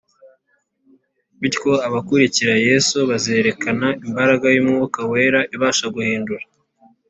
. Bityo abakurikira Yesu bazerekana imbaraga y’Umwuka Wera ibasha guhindura